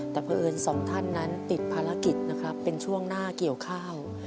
แต่เพราะเอิญสองท่านนั้นติดภารกิจนะครับเป็นช่วงหน้าเกี่ยวข้าว